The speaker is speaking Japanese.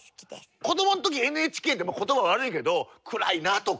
子どもの時ＮＨＫでも言葉悪いけど暗いなとか。